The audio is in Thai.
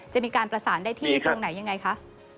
จะมีการประสานได้ที่ตรงไหนยังไงคะ